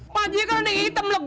pajekan yang hitam lo gemuk itu